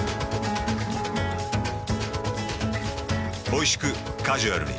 おいしくカジュアルに。